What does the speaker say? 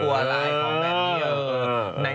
กลัวอะไรของแมน